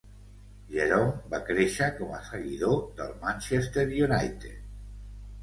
Jerome va créixer com a seguidor del Manchester United.